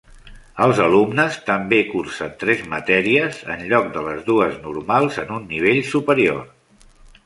Els alumnes també cursen tres matèries, en lloc de les dues normals, en un nivell superior.